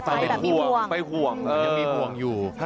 แต่เป็นห่วงไปห่วงยังมีห่วงอยู่